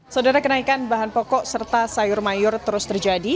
saudara kenaikan bahan pokok serta sayur mayur terus terjadi